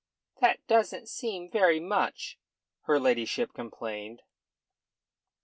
"That doesn't seem very much," her ladyship complained.